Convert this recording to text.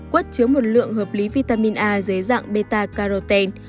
quất chứa một lượng hợp lý vitamin a dưới dạng beta caroten